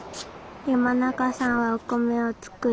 山中さんはお米を作るプロです。